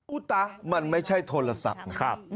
อุ๊ตะมันไม่ใช่โทรศัพท์ไง